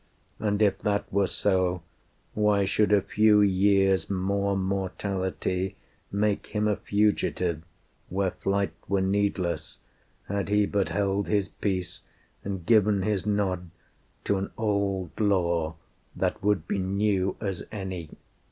And if that were so, Why should a few years' more mortality Make Him a fugitive where flight were needless, Had He but held his peace and given his nod To an old Law that would be new as any?